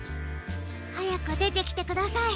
はやくでてきてください